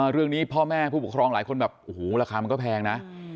เรื่องนี้พ่อแม่ผู้ปกครองหลายคนแบบโอ้โหราคามันก็แพงนะ